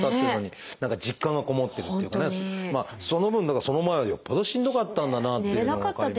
その分だからその前はよっぽどしんどかったんだなっていうのも分かりますけれど。